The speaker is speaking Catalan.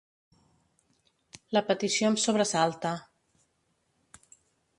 La petició em sobresalta.